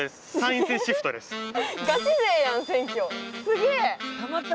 すげえ。